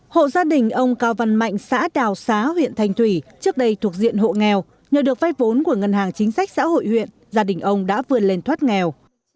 hộ gia đình ông cao văn mạnh xã đào xá huyện thành thủy trước đây thuộc diện hộ nghèo nhờ được vay vốn của ngân hàng chính sách xã hội huyện gia đình ông đã vươn lên thoát nghèo